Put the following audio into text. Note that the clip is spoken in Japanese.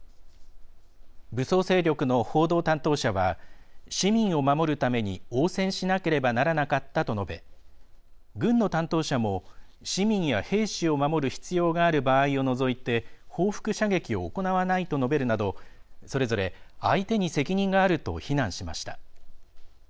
武装勢力の報道担当者は市民を守るために応戦しなければならなかったと述べ軍の担当者も市民や兵士を守る必要がある場合を除いて報復射撃を行わないと述べるなどそれぞれ、相手に責任があると非難しました。